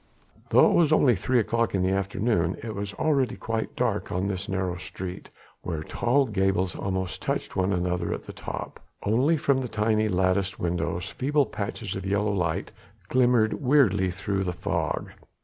Though it was only three o'clock in the afternoon, it was already quite dark in this narrow street, where tall gables almost touched one another at the top: only from the tiny latticed windows feeble patches of yellow light glimmered weirdly through the fog.